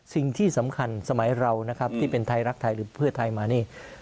สิ่งที่สำคัญสมัยเรานะครับที่เป็นไทยรักไทยหรือเพื่อไทยมานี่